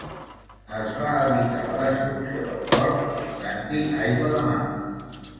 Es va evitar la destrucció del port abocant-hi aigua de mar.